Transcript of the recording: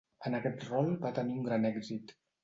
En aquest rol va tenir un gran èxit.